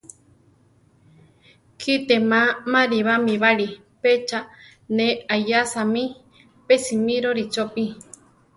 Kite má marí bamíbali pe cha ne aʼyása mí; pe simíroli chopí.